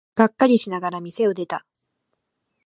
がっかりしながら店を出た。